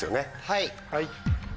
はい。